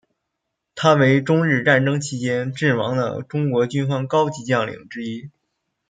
他为中日战争期间阵亡的中国军方高级将领之一。